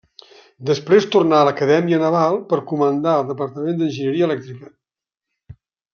Després tornà a l'Acadèmia Naval per comandar el Departament d'Enginyeria Elèctrica.